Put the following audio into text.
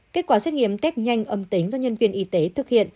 kết quả xét nghiệm test nhanh âm tính do nhân viên y tế thực hiện